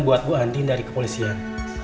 buat bu andin dari kepolisian